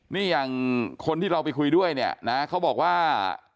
นี่อย่างคนที่เราไปคุยด้วยเนี่ยนะเขาบอกว่า